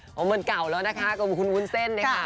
เหมือนเก่าแล้วกับคุณหวุนเซ็น